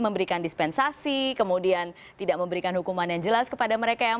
memberikan dispensasi kemudian tidak memberikan hukuman yang jelas kepada mereka yang